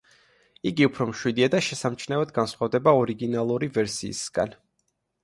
იგი უფრო მშვიდია და შესამჩნევად განსხვავდება ორიგინალური ვერსიისგან.